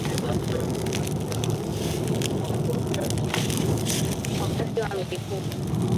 Wakati wa mlipuko